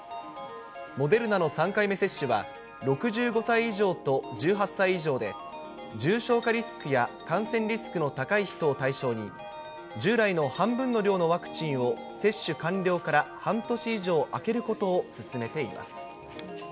モデルナの３回目接種は、６５歳以上と１８歳以上で、重症化リスクや感染リスクの高い人を対象に、従来の半分の量のワクチンを、接種完了から半年以上あけることを勧めています。